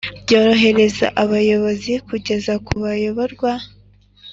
byorohereza abayobozi kugera ku bayoborwa